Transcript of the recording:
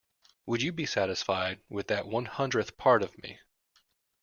Would you be satisfied with that one hundredth part of me.